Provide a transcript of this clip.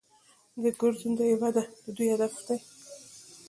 د ګرځندوی وده د دوی هدف دی.